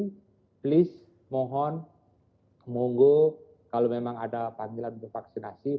jadi please mohon kemunggu kalau memang ada panggilan untuk vaksinasi